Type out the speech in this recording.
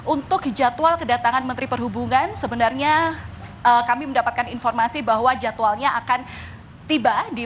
untuk jadwal kedatangan menteri perhubungan sebenarnya kami mendapatkan informasi bahwa jadwalnya akan tiba